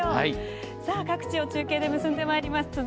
各地を中継で結んでまいります。